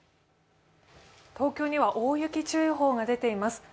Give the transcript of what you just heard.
東京には大雪注意報が出ています。